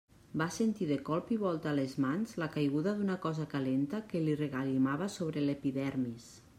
Va sentir de colp i volta a les mans la caiguda d'una cosa calenta que li regalimava sobre l'epidermis.